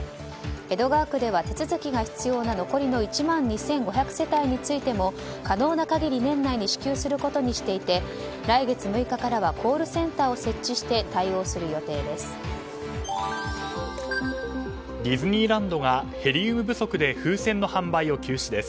江戸川区では手続きが必要な、残りの１万２５００世帯についても可能な限り年内に支給することにしていて来月６日からはコールセンターを設置して対応する予定です。